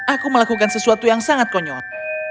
aku melakukan sesuatu yang sangat konyol